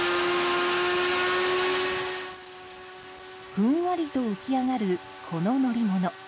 ふんわりと浮き上がるこの乗り物。